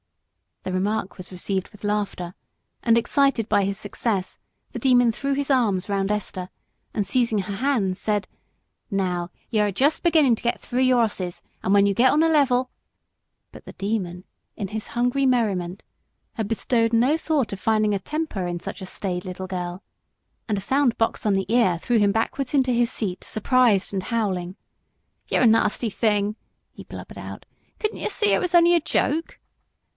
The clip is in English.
The remark was received with laughter, and, excited by his success, the Demon threw his arms round Esther, and seizing her hands, said, "Now yer a jest beginning to get through yer 'osses, and when you get on a level " But the Demon, in his hungry merriment, had bestowed no thought of finding a temper in such a staid little girl, and a sound box on the ear threw him backwards into his seat surprised and howling. "Yer nasty thing!" he blubbered out. "Couldn't you see it was only a joke?"